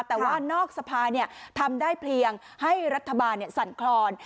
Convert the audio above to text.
แต่ว่านอกสภาทำได้เพียงให้รัฐบาลสั่นคลอน